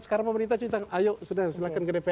sekarang pemerintah cuitan ayo sudah silahkan ke dpr